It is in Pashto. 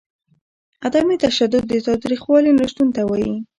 عدم تشدد د تاوتریخوالي نشتون ته وايي.